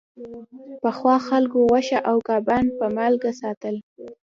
پخوا خلکو غوښه او کبان په مالګه ساتل.